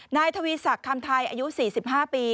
นายทวีศักดิ์คำไทยอายุ๔๕ปี